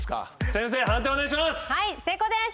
先生判定お願いします！